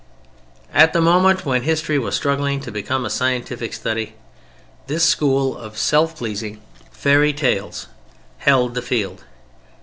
At the moment when history was struggling to become a scientific study, this school of self pleasing fairy tales held the field.